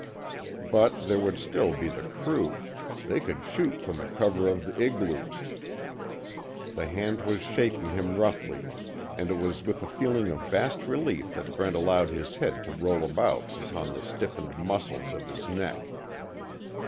But, there would still be the crew they could shoot from the cover of the igloos The hand was shaking him roughly, and it was with a feeling of vast relief that Brent allowed his head to roll about upon the stiffened muscles of his neck.